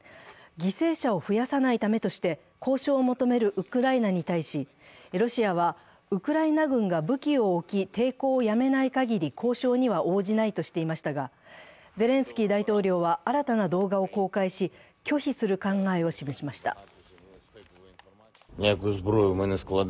犠牲者を増やさないためとして交渉を求めるウクライナに対し、ロシアはウクライナ軍が武器を置き、抵抗をやめないかぎり交渉には応じないとしていましたが、ゼレンスキー大統領は新たな動画を公開し、拒否する考えを示しました。